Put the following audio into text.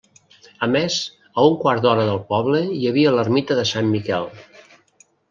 A més, a un quart d'hora del poble hi havia l'ermita de Sant Miquel.